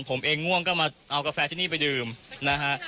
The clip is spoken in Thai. ผมเองง่วงก็มาเอากาแฟที่นี่ไปดื่มนะฮะ